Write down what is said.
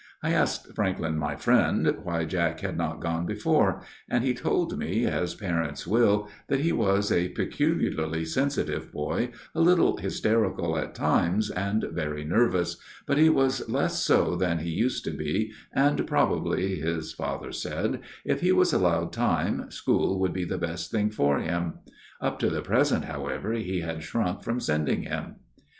I asked Franklyn, my friend, why Jack had not gone before, and he told me, as parents will, that he was a peculiarly sensitive boy, a little hysterical at times and very nervous, but he was less so than he used to be and probably, his father said, if he was allowed time, school would be the best thing for him. Up to the present, however, he had shrunk from sending him.